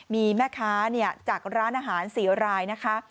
มีแม่ค้าจากร้านอาหาร๔รายนะคะ